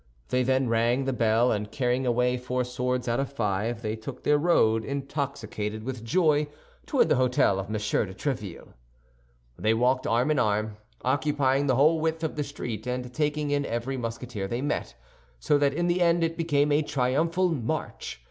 They then rang the bell, and carrying away four swords out of five, they took their road, intoxicated with joy, toward the hôtel of M. de Tréville. They walked arm in arm, occupying the whole width of the street and taking in every Musketeer they met, so that in the end it became a triumphal march.